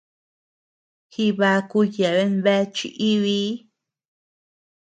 Jibaku yeabean bea chi-íbii.